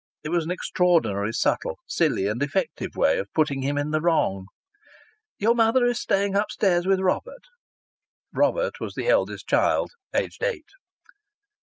It was an extraordinary subtle, silly and effective way of putting him in the wrong.) "Your mother is staying upstairs with Robert." Robert was the eldest child, aged eight.